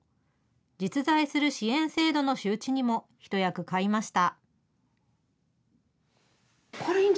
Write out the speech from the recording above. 実在する支援制度の周知にも、一役買いました。